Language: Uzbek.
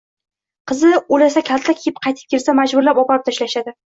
Qizi oʻlasi kaltak yeb qaytib kelsa majburlab oborib tashlashadi.